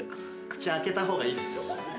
口開けた方がいいですよ。